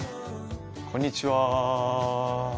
こんにちは。